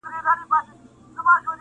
لږې دې پورته کړه د مخ نه زلفي